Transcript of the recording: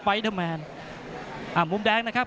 นักมวยจอมคำหวังเว่เลยนะครับ